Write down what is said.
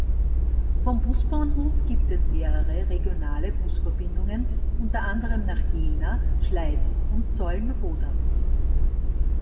Vom Busbahnhof gibt es mehrere regionale Busverbindungen, unter anderem nach Jena, Schleiz und Zeulenroda.